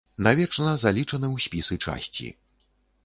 Навечна залічаны ў спісы часці.